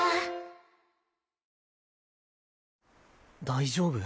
大丈夫？